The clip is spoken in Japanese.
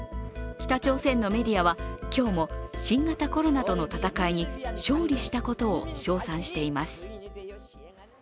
北朝鮮のメディアは今日も新型コロナとの戦いに勝利したことを称賛しています。